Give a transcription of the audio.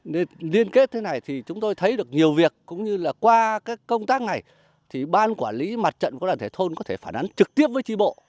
nên liên kết thế này thì chúng tôi thấy được nhiều việc cũng như là qua các công tác này thì ban quản lý mặt trận của đoàn thể thôn có thể phản ánh trực tiếp với tri bộ